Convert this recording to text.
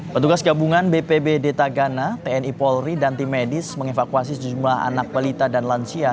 petugas gabungan bpbd tagana tni polri dan tim medis mengevakuasi sejumlah anak balita dan lansia